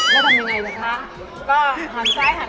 แล้วทำอย่างไรล่ะคะ